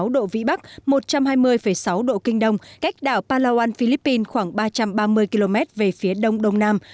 một mươi độ vĩ bắc một trăm hai mươi sáu độ kinh đông cách đảo palawan philippines khoảng ba trăm ba mươi km về phía đông đông nam